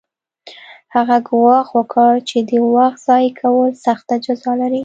هغه ګواښ وکړ چې د وخت ضایع کول سخته جزا لري